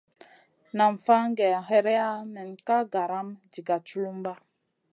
Nam fan gah hèreya nen ka garam diga tchulumba.